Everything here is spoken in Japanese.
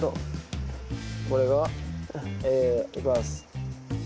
これがえいきます。